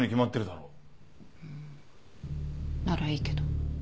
うんならいいけど。